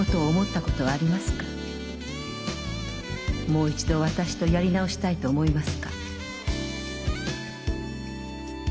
もう一度私とやり直したいと思いますか？」。